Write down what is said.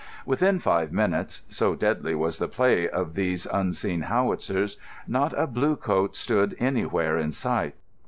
Within five minutes—so deadly was the play of these unseen howitzers—not a blue coat stood anywhere in sight.